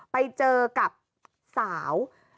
ไปเจอกับสาว